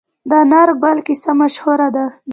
د انار ګل کیسه مشهوره ده.